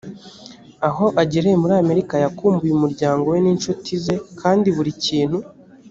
aho agereye muri amerika yakumbuye umuryango we n inshuti ze kandi buri kintu